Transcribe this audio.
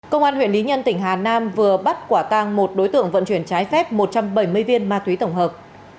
công an huyện lý nhân tỉnh hà nam vừa bắt quả tang một đối tượng vận chuyển trái phép một trăm bảy mươi viên ma túy tổng hợp